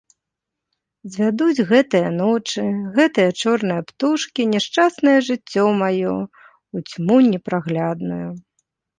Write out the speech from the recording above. Звядуць гэтыя ночы, гэтыя чорныя птушкі няшчаснае жыццё маё ў цьму непраглядную!